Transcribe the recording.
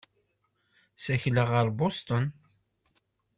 Ssakleɣ ɣer Bustun.